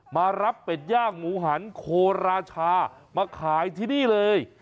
มารับเป็ดย่างหมูหันโคราชามาขายที่นี่เลย